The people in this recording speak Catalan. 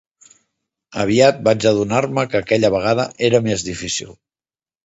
Aviat vaig adonar-me que aquella vegada era més difícil.